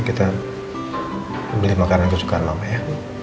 kita beli makanan kesukaan mama ya